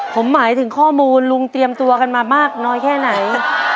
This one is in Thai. ผมหมายถึงข้อมูลลุงเตรียมตัวกันมามากน้อยแค่ไหน